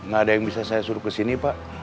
gak ada yang bisa saya suruh kesini pak